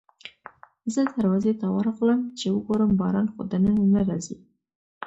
زه دروازې ته ورغلم چې وګورم باران خو دننه نه راځي.